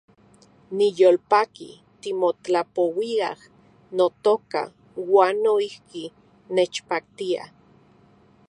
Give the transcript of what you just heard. Niyolpaki timotlapouiaj, notoka , uan noijki nechpaktia